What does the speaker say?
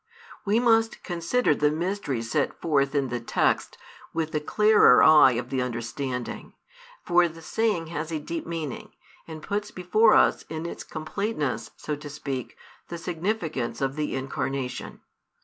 We must consider the mysteries set forth in the text with the clearer eye of the understanding; for the saying has a deep meaning, and puts before us in its completeness, so to speak, the significance of the Incarnation.